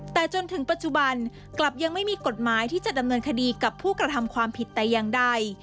แต่จนถึงปัจจุบันกลับยังไม่มีกฎหมายที่จะดำเนินคดีกับผู้กระทำความผิดแต่อย่างใด